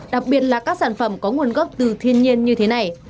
đặc biệt là các sản phẩm có nguồn gốc từ thiên nhiên như thế này